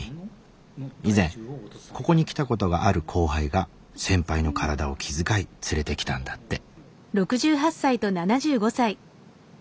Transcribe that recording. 以前ここに来たことがある後輩が先輩の体を気遣い連れてきたんだって。